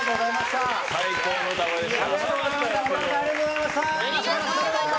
最高の歌声でした。